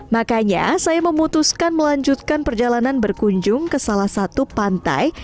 makanya saya memutuskan melanjutkan perjalanan berkunjung ke salah satu pantai